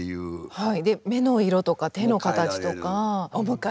はい。